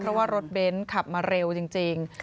เพราะว่ารถเบนท์ขับมาเร็วจริง